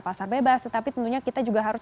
pasar bebas tetapi tentunya kita juga harus